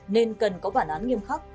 nên cần có bản án nghiêm khắc